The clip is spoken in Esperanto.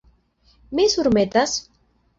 Mi surmetas?